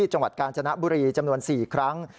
จังหวัดกาญจนบุรีจำนวน๔ครั้ง